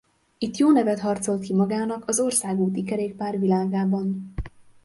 Itt jó nevet harcolt ki magának az országúti kerékpár világában.